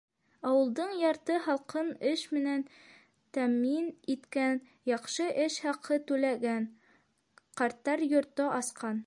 Ауылдың ярты халҡын эш менән тәьмин иткән, яҡшы эш хаҡы түләгән, «Ҡарттар йорто» асҡан